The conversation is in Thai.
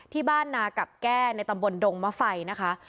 ที่บ้านนากับแก้ในตำบลดงมะไฟนะคะ